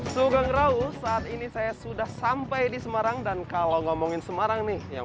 sugeng rau saat ini saya sudah sampai di semarang dan kalau ngomongin semarang nih yang